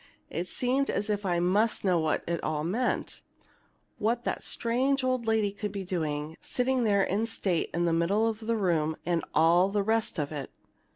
It seemed as if I must know what it all meant what that strange old lady could be doing, sitting there in state in the middle of the room, and all the rest of it.